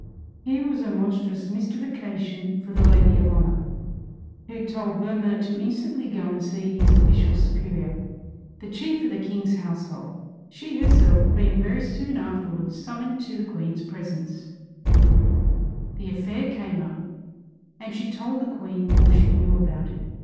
Here was a monstrous mystification for the lady of honor, who told Boehmer to instantly go and see his official superior, the chief of the king's household. She herself being very soon afterwards summoned to the Queen's presence, the affair came up, and she told the Queen all she knew about it.